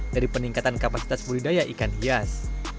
dari peningkatan kapasitas budidaya ikan hias